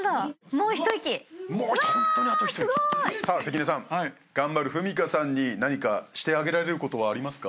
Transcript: もう一息。わすごい！関根さん頑張る史佳さんに何かしてあげられることはありますか？